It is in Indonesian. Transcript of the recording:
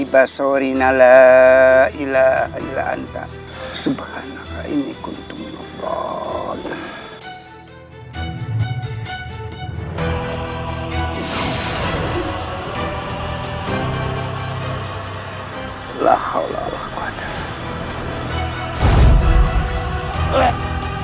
berinalah ilah ilah anta subhanahu wa inni kuntum ya allah